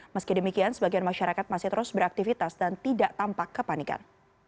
meski demikian sebagian masyarakat masih terus beraktivitas dan tidak tampak kepanikan